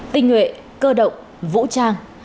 tình nguyện cơ động vũ trang